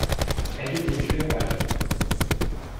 Elle est élue à Paris.